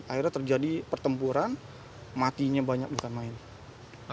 akhirnya terjadi pertempuran matinya banyak bukan main